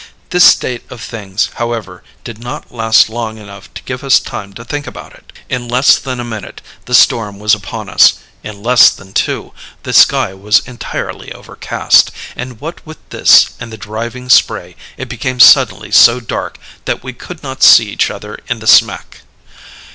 This state of things, however, did not last long enough to give us time to think about it. "In less than a minute the storm was upon us; in less than two the sky was entirely overcast; and what with this and the driving spray, it became suddenly so dark that we could not see each other in the smack.